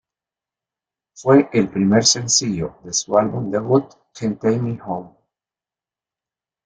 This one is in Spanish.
Fue el primer sencillo de su álbum debut "Can't Take Me Home".